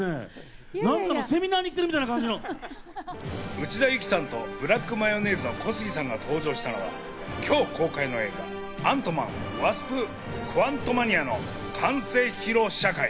内田有紀さんとブラックマヨネーズの小杉さんが登場したのは今日公開の映画『アントマン＆ワスプ：クアントマニア』の完成披露試写会。